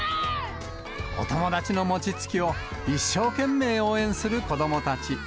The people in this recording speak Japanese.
お友達の餅つきを、一生懸命応援する子どもたち。